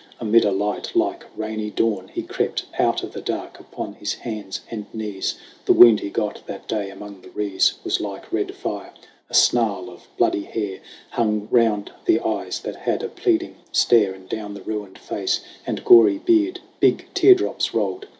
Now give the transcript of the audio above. Amid a light like rainy dawn, he crept Out of the dark upon his hands and knees. The wound he got that day among the Rees Was like red fire. A snarl of bloody hair Hung round the eyes that had a pleading stare, And down the ruined face and gory beard Big tear drops rolled.